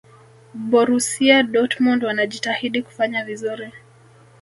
borusia dortmund wanajitahidi kufanya vizuri